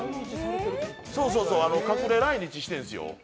隠れ来日してるんですよ。